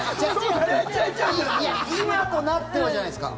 今となってはじゃないですか。